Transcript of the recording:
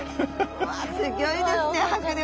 うわすギョいですね迫力。